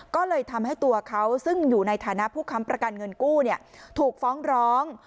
ก็เลยทำให้ตัวเขาซึ่งอยู่ในฐานะผู้ค้ำประกันเงินกู้ถูกฟ้องร้อง